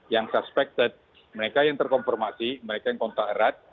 yang suspected mereka yang terkonfirmasi mereka yang kontak erat